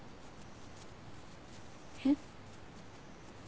えっ？